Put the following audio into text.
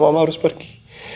kalau mama harus pergi